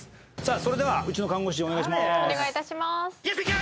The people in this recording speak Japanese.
それではうちの看護師お願いしまーす。